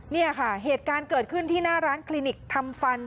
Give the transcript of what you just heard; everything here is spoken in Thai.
นี่ค่ะเหตุการณ์เกิดขึ้นที่หน้าร้านคลินิกทำฟัน